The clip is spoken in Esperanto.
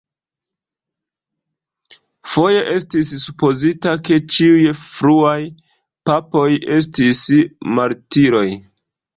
Foje estis supozita ke ĉiuj fruaj papoj estis martiroj.